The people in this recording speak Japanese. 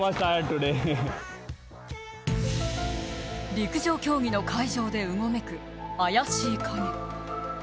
陸上競技の会場でうごめく、怪しい影。